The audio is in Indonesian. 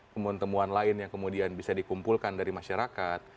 kemuntemuan lain yang kemudian bisa dikumpulkan dari masyarakat